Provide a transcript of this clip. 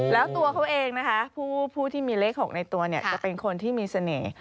แล้วตัวเขาเองนะคะผู้ที่มีเลข๖ในตัวเนี่ยจะเป็นคนที่มีเสน่ห์